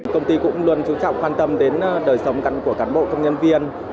công ty cũng luôn chú trọng quan tâm đến đời sống của cán bộ công nhân viên